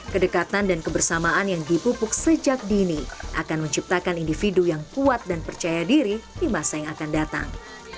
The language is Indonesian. kedekatan dan kebersamaan yang dipupuk sejak dini akan menciptakan individu yang kuat dan percaya diri di masa yang akan datang